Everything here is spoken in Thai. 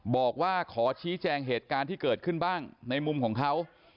บอกว่าขอชี้แจงเหตุการณ์ที่เกิดขึ้นบ้างในมุมของเขา